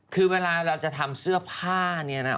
คือเวลาเราจะทำเสื้อผ้าเนี่ยนะ